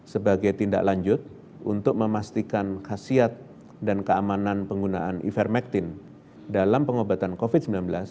sebagai tindak lanjut untuk memastikan khasiat dan keamanan penggunaan ivermectin dalam pengobatan covid sembilan belas